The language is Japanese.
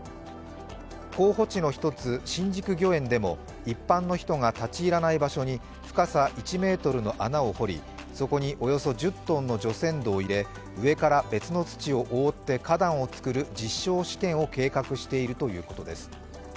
候補地の１つ、新宿御苑でも一般の人が立ち入らない場所に深さ１ｍの穴を掘り、そこにおよそ１０ｔの除染土を入れ、上から別の土を覆って花壇をつくる実証試験を計画しているということです。